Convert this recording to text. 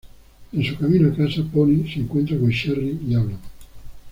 En su camino a casa, Pony se encuentra con Cherry y hablan.